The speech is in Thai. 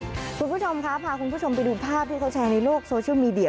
คุณผู้ชมค่ะพาคุณผู้ชมไปดูภาพที่เขาแชร์ในโลกโซเชียลมีเดีย